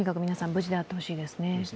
無事であってほしいですね。